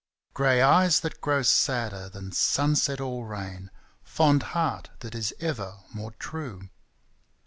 Grey eyes that grow sadder than sunset or rain, Fond heart that is ever more true.